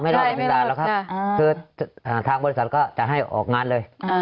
ไม่รอดมาถึงด่านี้หรอกค่ะคือทางบริษัทก็จะให้ออกงานเลย